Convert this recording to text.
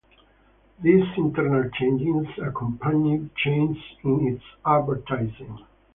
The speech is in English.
These internal changes accompanied changes in its advertising.